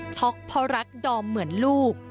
็อกเพราะรักดอมเหมือนลูก